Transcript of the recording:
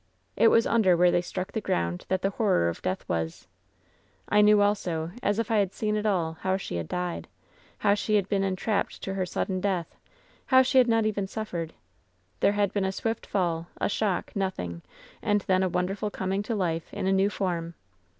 It was under where they struck the ground that the horror of death was. I knew also, as if I had seen it all, how she had died — ^how she had been entrapped to her sudden death — ^how she had not even suffered. There had been a swift fall, a shock, nothing, and then a wonderful com ing to life in a new form.